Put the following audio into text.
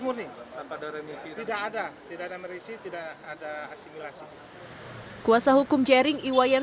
murni tanpa ada remisi tidak ada tidak ada merisi tidak ada asimilasi kuasa hukum jering iwayan